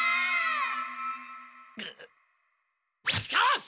しかし！